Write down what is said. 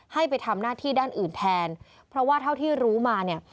ให้ไปทำหน้าที่ด้านอื่นแทนเพราะว่าเท่าที่รู้มาเนี่ย